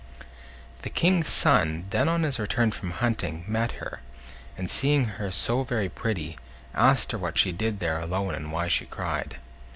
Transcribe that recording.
The King's son, then on his return from hunting, met her, and seeing her so very pretty, asked her what she did there alone and why she cried.